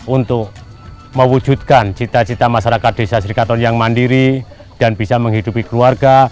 untuk mewujudkan cita cita masyarakat desa srikatun yang mandiri dan bisa menghidupi keluarga